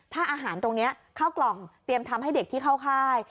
ถ้าอาหารตรงนี้เข้ากล่องเตรียมทำให้เด็กที่เข้าค่าย